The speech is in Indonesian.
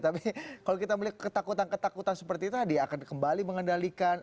tapi kalau kita melihat ketakutan ketakutan seperti tadi akan kembali mengendalikan